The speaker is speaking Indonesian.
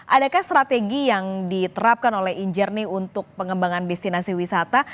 adakah strategi yang diterapkan oleh inger nih untuk pengembangan destinasi wisata